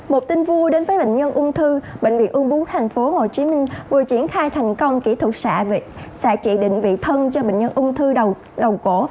một tin vui đến với bệnh nhân ung thư bệnh viện ung bú thành phố hồ chí minh vừa triển khai thành công kỹ thuật xạ trị định vị thân cho bệnh nhân ung thư đầu cổ